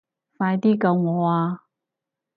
快啲救我啊